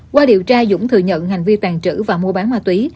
qua điều tra dũng thừa nhận hành vi tàn trữ và mua bán ma túy